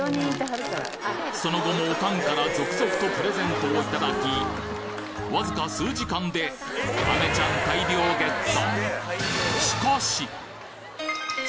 その後もオカンから続々とプレゼントを頂きわずか数時間でアメちゃん大量ゲット